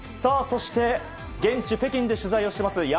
そして現地、北京で取材をしています